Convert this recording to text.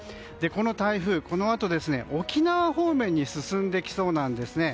この台風、このあと沖縄方面に進んできそうなんです。